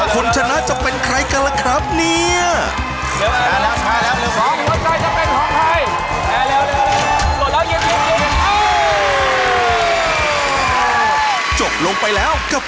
ก็จะแบบตื่นมาก็จะบ่นว่าแบบมีกลิ่นอื้อหมา